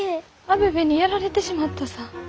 アベベにやられてしまったさぁ。